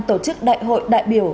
tổ chức đại hội đại biểu